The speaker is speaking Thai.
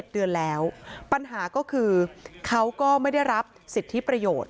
๗เดือนแล้วปัญหาก็คือเขาก็ไม่ได้รับสิทธิประโยชน์